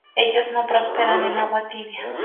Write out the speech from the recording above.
Ellos no prosperan en agua tibia.